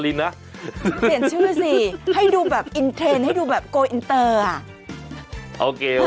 เปลี่ยนชื่อด้วยสิให้ดูแบบอินเทรนด์ให้ดูแบบโกอินเตอร์